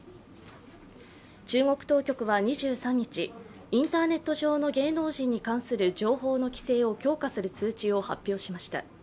中国当局は２３日、インターネット上の芸能人に関する情報の規制を強化する通知を発表しました。